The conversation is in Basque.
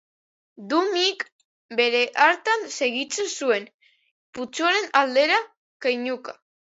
Dummyk bere hartan segitzen zuen, putzuaren aldera keinuka.